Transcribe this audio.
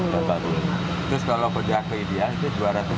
terus kalau pada ideal itu dua ratus tujuh puluh empat